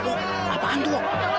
bapak apaan itu